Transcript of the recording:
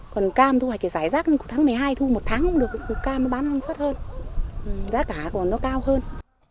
còn cam thu hoạch thì giải rác tháng một mươi hai thu một tháng không được cam nó bán năng suất hơn giá cả còn nó cao hơn